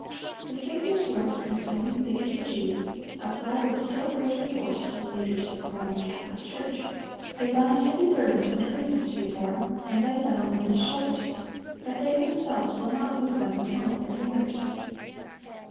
The Saviour's words concerning the bigoted Jews, apply with still greater force to the leaders of the Roman Catholic Church: "They bind heavy burdens and grievous to be borne, and lay them on men's shoulders; but they themselves will not move them with one of their fingers."